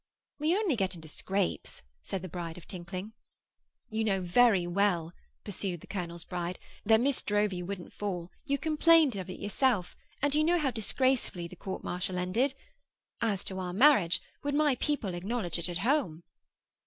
'We only get into scrapes,' said the bride of Tinkling. 'You know very well,' pursued the colonel's bride, 'that Miss Drowvey wouldn't fall. You complained of it yourself. And you know how disgracefully the court martial ended. As to our marriage; would my people acknowledge it at home?